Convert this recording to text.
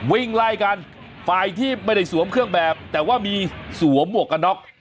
วิ่งไล่กันฝ่ายที่ไม่ได้สวมเครื่องแบบแต่ว่ามีสวมหมวกกันน็อก